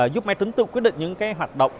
giúp máy tính tự quyết định những hoạt động